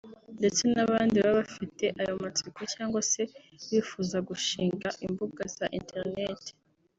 ndetse n’abandi baba bafite ayo matsiko cyangwa se bifuza gushinga imbuga za internet